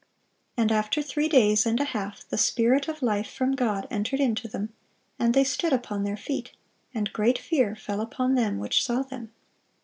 And after three days and a half the Spirit of life from God entered into them, and they stood upon their feet; and great fear fell upon them which saw them."